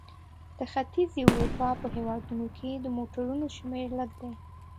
د ختیځې اروپا په هېوادونو کې د موټرونو شمیر لږ دی.